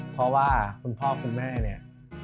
เพราะว่าคุณพ่อคุณแม่เนี่ย